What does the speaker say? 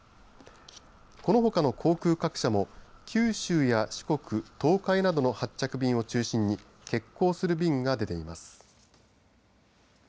このほかの航空各社も九州や四国東海などの発着便を中心に欠航する便が出ています。